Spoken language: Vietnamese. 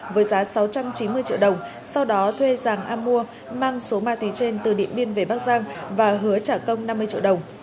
với giá sáu trăm chín mươi triệu đồng sau đó thuê giàng a mua mang số ma túy trên từ điện biên về bắc giang và hứa trả công năm mươi triệu đồng